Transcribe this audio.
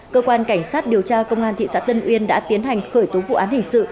cơ quan cảnh sát điều tra công an thị xã tân uyên đã tiến hành khởi tố vụ án hình sự